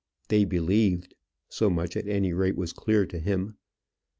They believed: so much at any rate was clear to him.